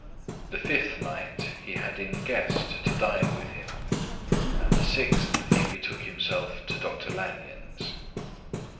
The fifth night he had in Guest to dine with him; and the sixth he betook himself to Dr. Lanyon's.